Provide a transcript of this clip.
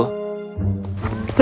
richard menemukan dia